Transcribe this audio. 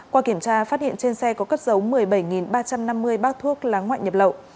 qua kiểm tra phát hiện trên xe có cất giấu một mươi bảy ba trăm năm mươi bác thuốc lá ngoại nhập lậu